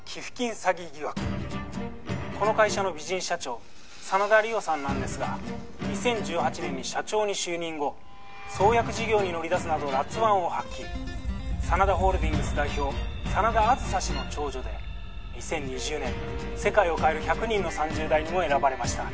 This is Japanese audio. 詐欺疑惑この会社の美人社長真田梨央さんなんですが２０１８年に社長に就任後創薬事業に乗り出すなどらつ腕を発揮真田ホールディングス代表真田梓氏の長女で２０２０年世界を変える１００人の３０代にも選ばれました